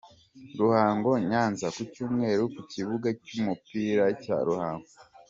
Ruhango-Nyanza : Kucyumweru ku kibuga cy’umupira cya Ruhango.